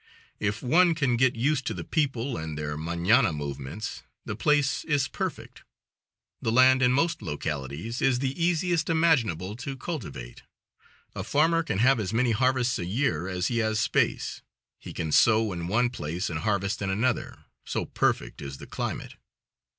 If one can get used to the people and their mauana movements, the place is perfect, The land, in most localities, is the easiest imaginable to cultivate. A farmer can have as many harvests a year as he has space. He can sow in one place and harvest in another, so perfect is the climate.